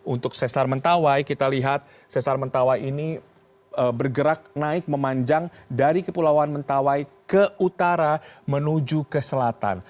untuk sesar mentawai kita lihat sesar mentawai ini bergerak naik memanjang dari kepulauan mentawai ke utara menuju ke selatan